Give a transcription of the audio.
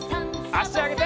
あしあげて。